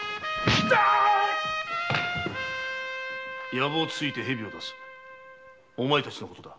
「薮をつついて蛇を出す」とはお前たちのことだ。